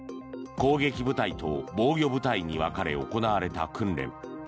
攻撃部隊と防御部隊に分かれ行われた訓練。